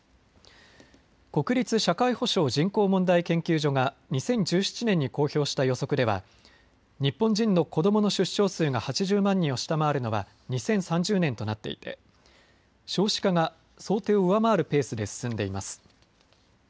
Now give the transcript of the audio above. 国立社会保障・人口問題研究所が２０１７年に公表した予測では日本人の子どもの出生数が８０万人を下回るのは２０３０年となっていて少子化が想定を上回るペースで進んでいます。